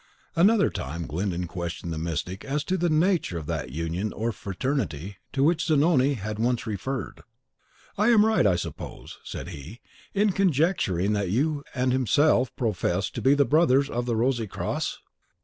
Another time Glyndon questioned the mystic as to the nature of that union or fraternity to which Zanoni had once referred. "I am right, I suppose," said he, "in conjecturing that you and himself profess to be the brothers of the Rosy Cross?"